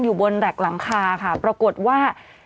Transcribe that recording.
อยู่บนแหลกหลังคาค่ะปรากฏว่า